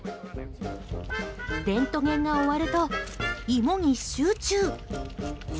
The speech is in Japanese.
レントゲンが終わると芋に集中。